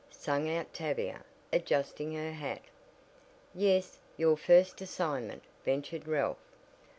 sang out Tavia, adjusting her hat. "Yes, your first assignment," ventured Ralph.